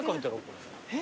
これ。